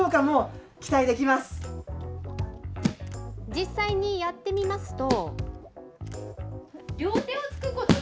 実際にやってみますと。